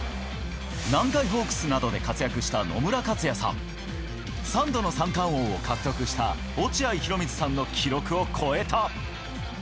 南海ホークスなどで活躍した野村克也さん、３度の三冠王を獲得した落合博満さんの記録を超えた。